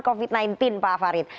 covid sembilan belas pak farid